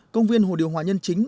công viên hồ điều hòa nhân chính